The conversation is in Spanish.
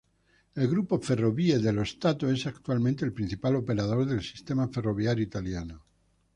El Grupo Ferrovie dello Stato es actualmente el principal operador del sistema ferroviario italiano.